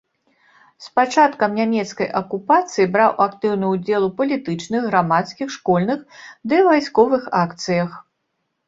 З пачаткам нямецкай акупацыі браў актыўны ўдзел у палітычных, грамадскіх, школьных ды вайсковых акцыях.